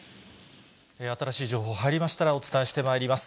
新しい情報入りましたらお伝えしてまいります。